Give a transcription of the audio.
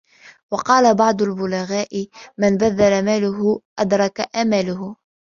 وَقَالَ بَعْضُ الْبُلَغَاءِ مَنْ بَذَلَ مَالَهُ أَدْرَكَ آمَالَهُ